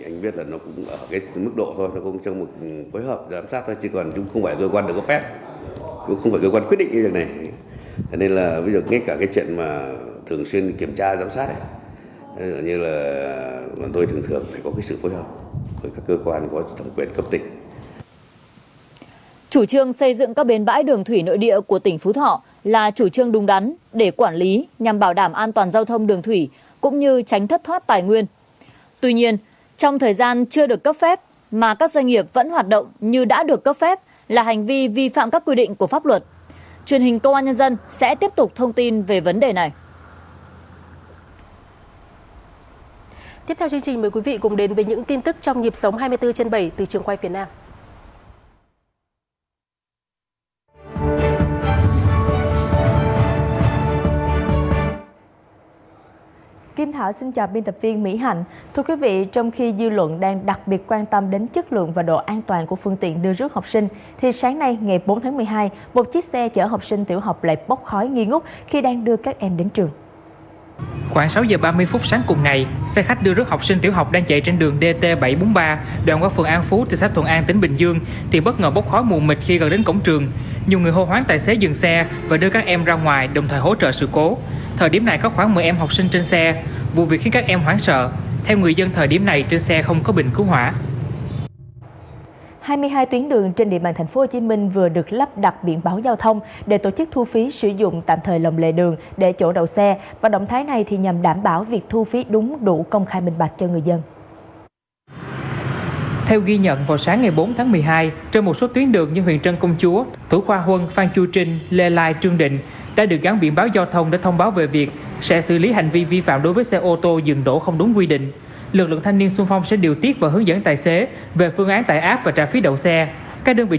nhưng hiện nay nhiều bên bãi tại đây chưa tuân thủ nghiêm các quy định của pháp luật trang bị không đầy đủ thiết bị phòng cháy chữa cháy và khai thác bến thủy không đầy đủ thiết bị phòng cháy chữa cháy và khai thác bến thủy không đầy đủ thiết bị phòng cháy chữa cháy và khai thác bến thủy không đầy đủ thiết bị